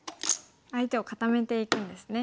相手を固めていくんですね。